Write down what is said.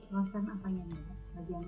ronsen apa yang ada